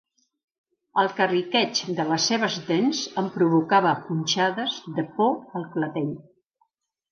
El carrisqueig de les seves dents em provocava punxades de por al clatell.